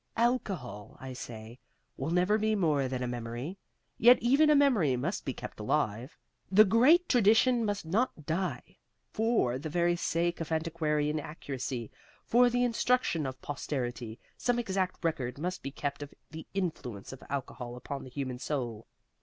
"Alcohol, I say, will never be more than a memory. Yet even a memory must be kept alive. The great tradition must not die. For the very sake of antiquarian accuracy, for the instruction of posterity, some exact record must be kept of the influence of alcohol upon the human soul.